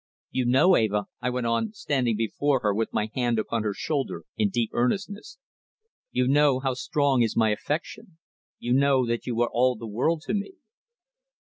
"You know, Eva," I went on, standing before her with my hand upon her shoulder in deep earnestness, "you know how strong is my affection; you know that you are all the world to me."